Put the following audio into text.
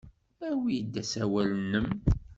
Awi-d asawal-nnem.